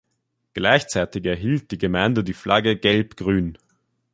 Gleichzeitig erhielt die Gemeinde die Flagge Gelb-Grün.